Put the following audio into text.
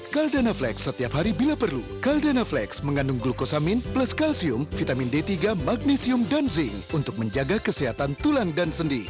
caldanaflex mengandung glukosamin plus kalsium vitamin d tiga magnesium dan zinc untuk menjaga kesehatan tulang dan sendi